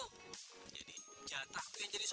pasti mau ke mana aja sih